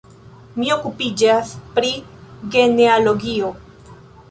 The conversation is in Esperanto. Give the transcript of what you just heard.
Mi okupiĝas pri genealogio.